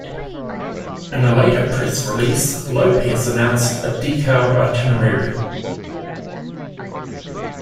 In a later press release, Lopez announced a detailed itinerary.